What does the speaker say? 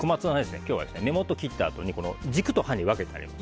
今日は根元を切ったあとに軸と葉に分けてあります。